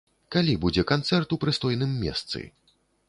Калі будзе канцэрт у прыстойным месцы?